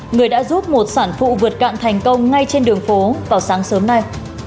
người đã giúp một sản phụ vượt cạn thành công ngay trên đường phố vào sáng sớm nay